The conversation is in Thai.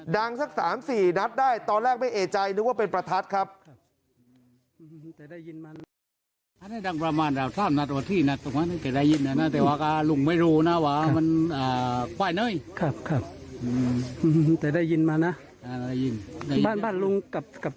สัก๓๔นัดได้ตอนแรกไม่เอกใจนึกว่าเป็นประทัดครับ